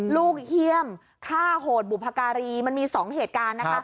ลูกเฮี่ยมฆ่าโหดบุพการีมันมีสองเหตุการณ์นะคะ